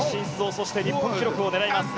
そして日本記録を狙います。